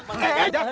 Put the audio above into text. eh eh jangan